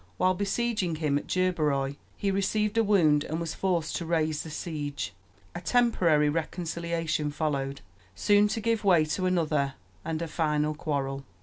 While besieging him at Gerberoi he received a wound and was forced to raise the siege. A temporary reconciliation followed, soon to give way to another and a final quarrel.